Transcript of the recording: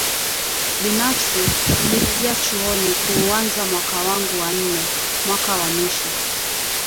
Binafsi, nilirejea chuoni kuuanza mwaka wangu wa nne~ mwaka wa mwisho